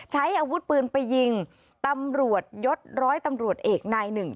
ใช้อาวุธปืนไปยิงตำรวจยศร้อยตำรวจเอกนายหนึ่ง